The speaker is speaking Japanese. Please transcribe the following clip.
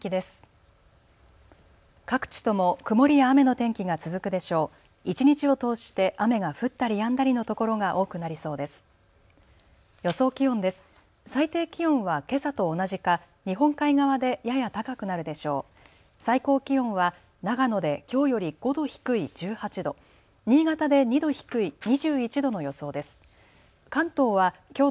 最低気温はけさと同じか日本海側でやや高くなるでしょう。